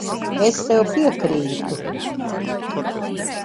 Es tev piekrītu.